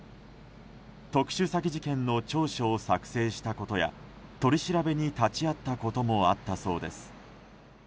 特殊詐欺事件の調書を作成したことや取り調べに立ち会ったこともあったそうです。